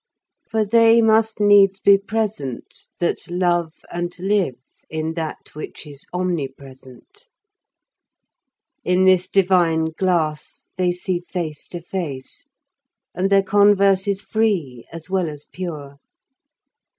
132. For they must needs be present, that love and live in that which is Omnipresent.133. In this Divine Glass, they see Face to Face; and their Converse is Free, as well as Pure.